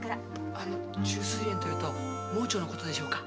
あの虫垂炎というと盲腸のことでしょうか？